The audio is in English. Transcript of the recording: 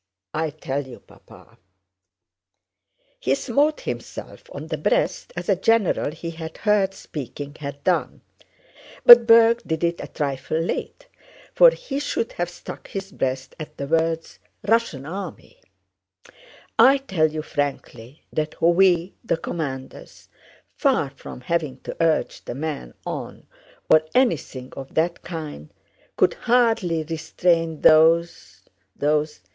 I tell you, Papa" (he smote himself on the breast as a general he had heard speaking had done, but Berg did it a trifle late for he should have struck his breast at the words "Russian army"), "I tell you frankly that we, the commanders, far from having to urge the men on or anything of that kind, could hardly restrain those... those...